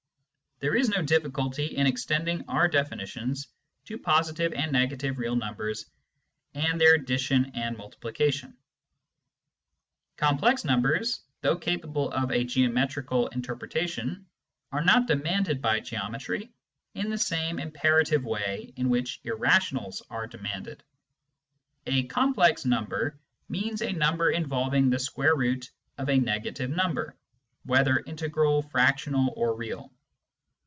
There is no difficulty in extending our definitions to positive and negative real numbers and their addition and multiplication. It remains to give the definition of complex numbers. Complex numbers, though capable of a geometrical interpreta tion, are not demanded by geometry in the same imperative way in which irrationals are demanded. A " complex " number means a number involving the square root of a negative number, whether integral, fractional, or real.